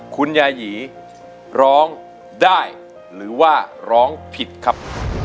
คุณยายีร้องได้หรือว่าร้องผิดครับ